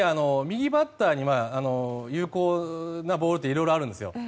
右バッターに有効なボールがいろいろあるんですよ。